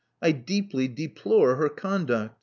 I deeply deplore her conduct.